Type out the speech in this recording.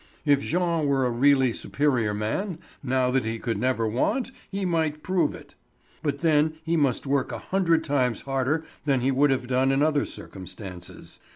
If Jean were a really superior man, now that he could never want he might prove it. But then he must work a hundred times harder than he would have done in other circumstances.